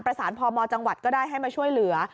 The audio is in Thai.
พมจังหวัดก็ได้ให้มาช่วยเหลือ